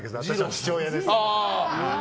父親です。